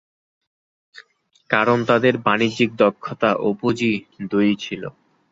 কারণ তাদের বাণিজ্যিক দক্ষতা ও পুঁজি দুইই ছিল।